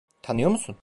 Tanıyor musun?